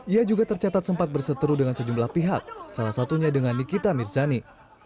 ia juga tercatat sempat berseteru dengan sejumlah pihak salah satunya dengan nikita mirzani